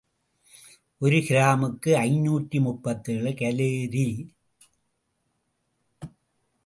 ஒரு கிராமுக்கு ஐநூற்று முப்பத்தேழு கலோரி.